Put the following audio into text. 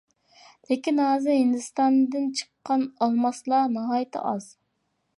لېكىن ھازىر ھىندىستاندىن چىققان ئالماسلار ناھايىتى ئاز.